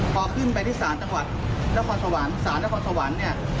พอขึ้นไปที่ศาลจังหวัดนครสวรรค์ศาลนครสวรรค์เนี่ย